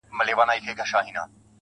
هڅه د بریا پیل دی.